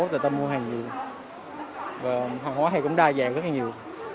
người ta mua hàng nhiều và hàng hóa thì cũng đa dạng rất là nhiều